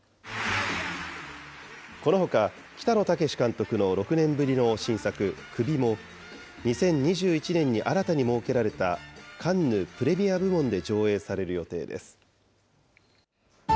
このほか、北野武監督の６年ぶりの新作、首も、２０２１年に新たに設けられた、カンヌ・プレミア部門で上映される予定です。